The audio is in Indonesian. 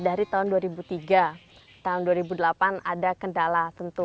dari tahun dua ribu tiga tahun dua ribu delapan ada kendala tentu